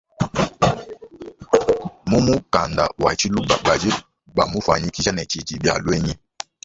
Mu mukanda wa tshiluba badi bamufuanyikishe ne tshidibialuenyi.